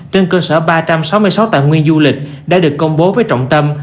trên cơ sở ba trăm sáu mươi sáu tài nguyên du lịch đã được công bố với trọng tâm